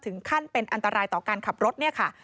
ถึงขั้นเป็นอันตรายต่อการขับรถเนี่ยค่ะ